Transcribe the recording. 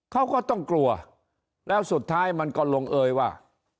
เขาก็ต้องกลัวแล้วสุดท้ายมันก็ลงเอยว่า